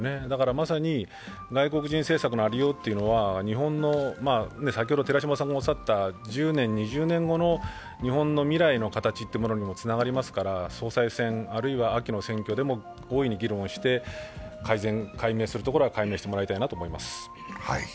まさに外国人政策のありようというのは１０年、２０年後の日本の未来の形につながりますから総裁選あるいは秋の選挙でも大いに議論をして改善し、解明するところは解明していただきたいと思います。